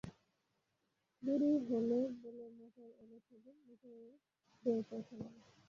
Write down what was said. দেরি হল বলে মটর এল সেদিন, মটরে ঢের পয়সা লাগে।